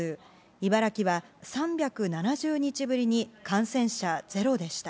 茨城は３７０日ぶりに感染者ゼロでした。